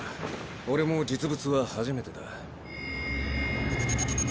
俺も実物は初めてだ。